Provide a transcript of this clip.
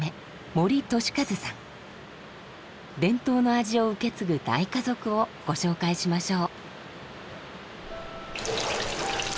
伝統の味を受け継ぐ大家族をご紹介しましょう。